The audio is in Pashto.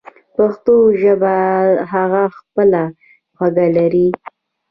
پښتو ژبه هم خپله خوږه لري.